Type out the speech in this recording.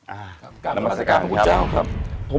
อ่าขอบคุณครับขอบคุณครับขอบคุณครับขอบคุณครับ